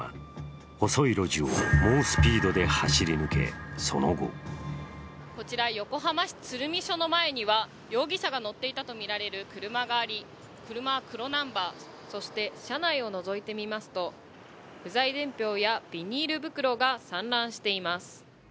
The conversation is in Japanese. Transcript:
細い路地を猛スピードで走り抜け、その後こちら、横浜市鶴見署の前には容疑者が乗っていたとみられる車があり車は黒ナンバー、そして車内をのぞいてみますと不在伝票やビニール袋が散乱しています。